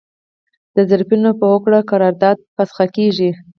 د طرفینو په هوکړه قرارداد فسخه کیږي.